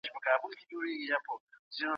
هیوادونه باید د کډوالو ستونزي درک کړي.